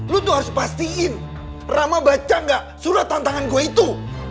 lu tuh harus pastiin rama baca nggak surat tantangan gue itu